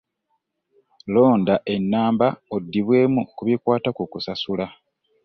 Londa ennamba oddibwemu ku bikwata ku kusasula.